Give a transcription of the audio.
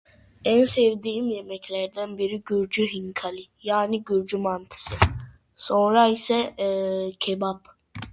En sevdiğim yemeklerden biri Gürcü Hinkali, yani Gürcü mantısı, sonra ise kebap.